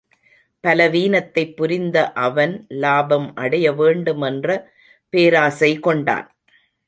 பலவீனத்தைப் புரிந்த அவன் லாபம் அடைய வேண்டும் என்ற பேராசை கொண்டான்.